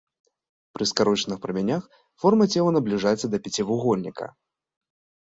Пры скарочаных прамянях форма цела набліжаецца да пяцівугольніка.